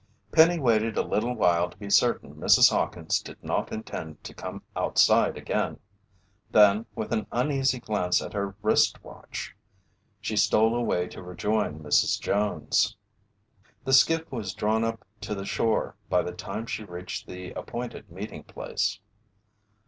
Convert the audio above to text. Penny waited a little while to be certain Mrs. Hawkins did not intend to come outside again. Then, with an uneasy glance at her wrist watch, she stole away to rejoin Mrs. Jones. The skiff was drawn up to shore by the time she reached the appointed meeting place.